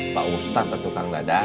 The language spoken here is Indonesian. pak ustadz atau tukang gadang